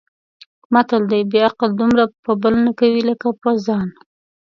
متل دی: بې عقل دومره په بل نه کوي لکه په ځان.